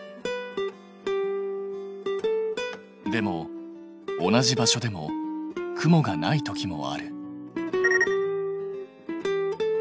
でも同じ場所でも雲がない時もある。